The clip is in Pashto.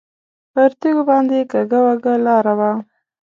پر تیږو باندې کږه وږه لاره وه.